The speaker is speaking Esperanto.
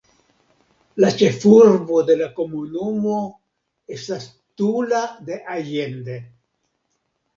La ĉefurbo de la komunumo estas Tula de Allende.